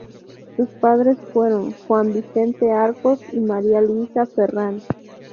Sus padres fueron Juan Vicente Arcos y María Luisa Ferrand.